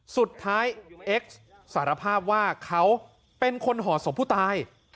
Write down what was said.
สุดท้ายเอ็กซ์สารภาพว่าเขาเป็นคนห่อศพผู้ตาย